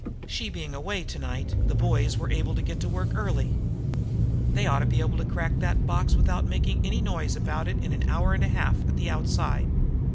She being away to night, the boys were able to get to work early. They ought to be able to crack that box without making any noise about it in an hour and a half at the outside."